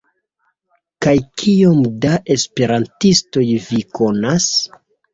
Kaj kiom da esperantistoj vi konas?